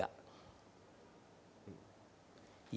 yang ketiga indonesia